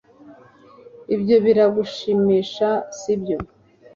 ibyo biragushimisha, sibyo